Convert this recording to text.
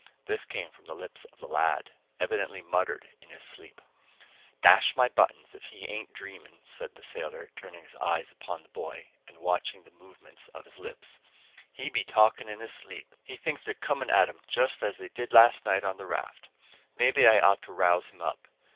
This came from the lips of the lad, evidently muttered in his sleep. "Dash my buttons, if he an't dreaming!" said the sailor, turning his eyes upon the boy, and watching the movements of his lips. "He be talkin' in his sleep. He thinks they're comin' at him just as they did last night on the raft! Maybe I ought to rouse him up.